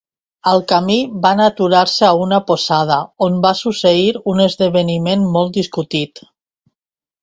Al camí, van aturar-se a una posada, on va succeir un esdeveniment molt discutit.